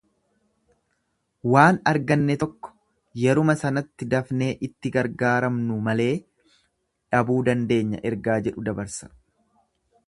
Waan arganne tokko yeruma sanatti dafnee itti gargaaramnu malee dhabuu dandeenya ergaa jedhu dabarsa.